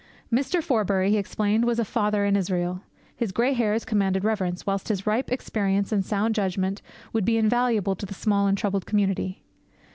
Mr. Forbury, he explained, was a father in Israel. His grey hairs commanded reverence; whilst his ripe experience and sound judgement would be invaluable to the small and troubled community.